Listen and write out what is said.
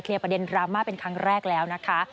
ประเด็นดราม่าเป็นครั้งแรกแล้วนะคะ